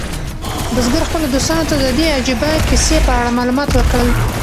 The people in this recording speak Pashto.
بزګر خپلو دوستانو ته د دې عجیبه کیسې په اړه معلومات ورکړل.